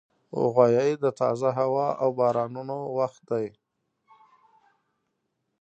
غویی د تازه هوا او بارانونو وخت دی.